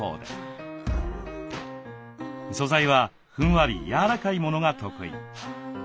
素材はふんわり柔らかいものが得意。